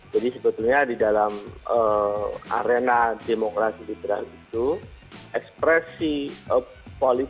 jadi sebetulnya di dalam arena demokrasi lidra itu ekspresi politik